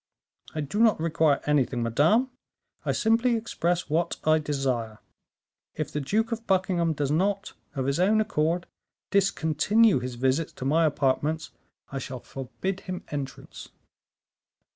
"I do not require anything, madame; I simply express what I desire. If the Duke of Buckingham does not, of his own accord, discontinue his visits to my apartments I shall forbid him entrance."